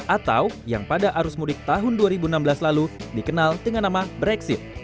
atau yang pada arus mudik tahun dua ribu enam belas lalu dikenal dengan nama brexit